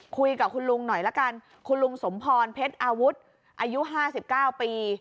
คุยกับคุณลุงหน่อยละกันคุณลุงสมพรเพชรอาวุธอายุ๕๙ปี